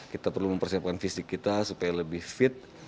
kita perlu mempersiapkan fisik kita supaya lebih fit